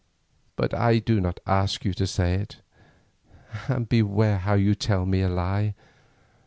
But I do not ask you to say it, and beware how you tell me a lie.